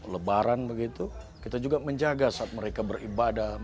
lebaran begitu kita juga menjaga saat mereka beribadah